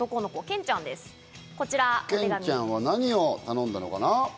けんちゃんは何を頼んだのかな？